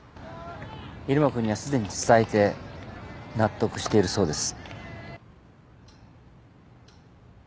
入間君にはすでに伝えて納得しているそうです。